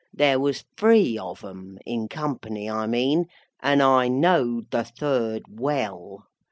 There was three of 'em (in company, I mean), and I knowed the third well.